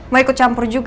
mau ikut campur juga